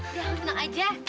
ya seneng aja